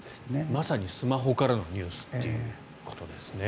まさにスマホからのニュースということですね。